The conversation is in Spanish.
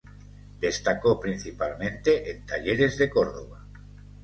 Destacó principalmente en Talleres de Córdoba.